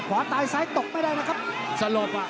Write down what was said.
ขวาตายซ้ายตกไม่ได้นะครับ